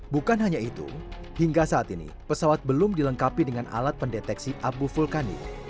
bukan hanya itu hingga saat ini pesawat belum dilengkapi dengan alat pendeteksi abu vulkanik